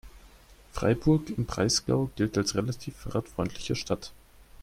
Freiburg im Breisgau gilt als relativ fahrradfreundliche Stadt.